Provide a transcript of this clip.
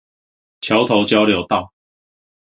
橋頭交流道